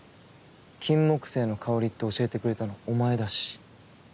金木犀の香りって教えてくれたのお前だし。